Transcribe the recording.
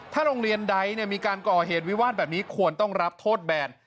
โรงเรียนใดมีการก่อเหตุวิวาสแบบนี้ควรต้องรับโทษแบน